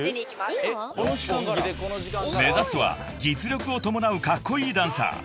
［目指すは実力を伴うカッコイイダンサー］